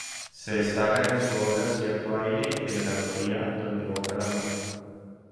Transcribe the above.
Se destaca en su obra cierto aire de melancolía, donde evoca la muerte.